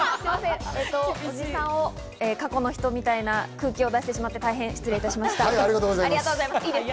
おじさんが過去の人みたいな空気を出して大変失礼いたしました。